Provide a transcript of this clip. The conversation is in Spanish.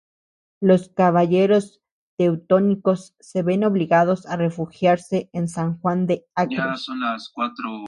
Los caballeros teutónicos se ven obligados a refugiarse en San Juan de Acre.